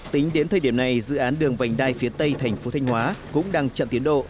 tính đến thời điểm này dự án đường vành đai phía tây thành phố thanh hóa cũng đang chậm tiến độ